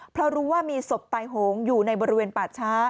เพราะรู้ว่ามีศพตายโหงอยู่ในบริเวณป่าช้า